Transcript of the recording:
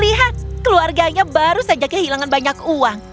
lihat keluarganya baru saja kehilangan banyak uang